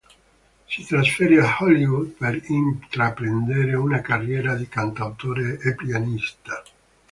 Si trasferì a Hollywood per intraprendere una carriera di cantautore e pianista.